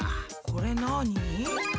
これなに？